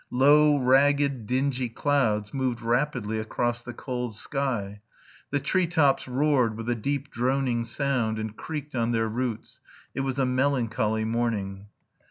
Low, ragged, dingy clouds moved rapidly across the cold sky. The tree tops roared with a deep droning sound, and creaked on their roots; it was a melancholy morning.